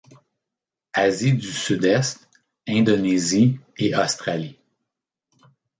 Asie du Sud-Est, Indonésie et Australie.